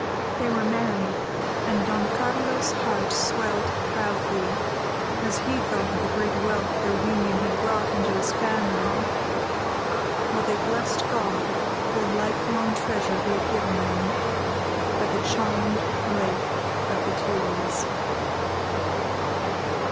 They were married, and Don Carlos's heart swelled proudly, as he thought of the great wealth their union had brought into his family, while they blessed God for the lifelong treasure He had given them, by the charmed Lake of the Tulies.